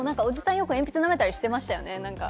よく鉛筆なめたりしてましたよね？